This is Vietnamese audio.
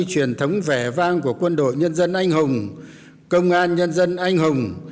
truyền thống vẻ vang của quân đội nhân dân anh hùng công an nhân dân anh hùng